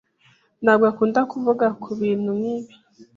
ntabwo akunda kuvuga kubintu nkibi.